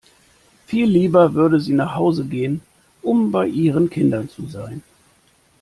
Viel lieber würde sie nach Hause gehen, um bei ihren Kindern zu sein.